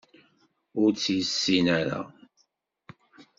Ur tt-yessin ara